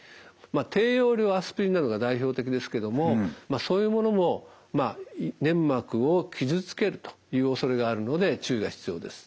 低用量アスピリンなどが代表的ですけれどもそういうものも粘膜を傷つけるというおそれがあるので注意が必要です。